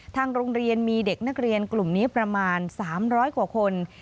ทางโรงเรียนมีเด็กนักเรียนกลุ่มนี้ประมาณ๓๐๐กว่าคน